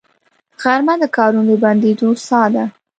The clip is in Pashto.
غرمه د کارونو د بندېدو ساه ده